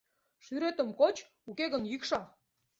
Шӱретым коч, уке гын йӱкша.